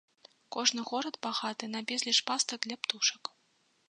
Кожны горад багаты на безліч пастак для птушак.